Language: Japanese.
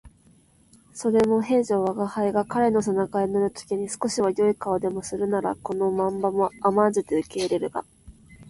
それも平生吾輩が彼の背中へ乗る時に少しは好い顔でもするならこの漫罵も甘んじて受けるが、